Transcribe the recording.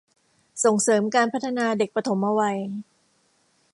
ส่งเสริมการพัฒนาเด็กปฐมวัย